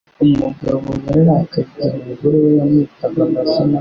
Umugabo yararakaye igihe umugore we yamwitaga amazina